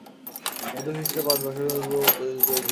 বুদ্ধ খ্রীষ্টের পাঁচ শত বৎসর পূর্বে উপদেশ দিয়া গিয়াছেন।